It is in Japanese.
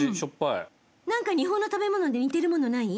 何か日本の食べ物で似てるものない？